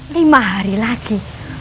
lima hari lagi